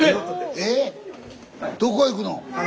えっどこ行くの？